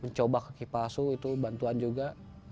mencoba kaki palsu itu bantuan juga